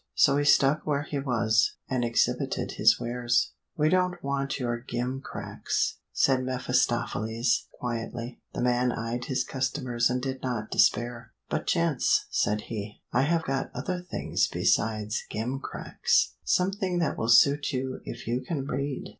So he stuck where he was, and exhibited his wares. "We don't want your gim cracks," said mephistopheles quietly. The man eyed his customers and did not despair. "But, gents," said he, "I have got other things besides gim cracks; something that will suit you if you can read."